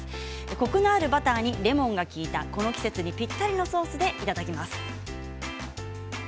コクのあるバターにレモンが利いたこの季節にぴったりのソースでいただきます。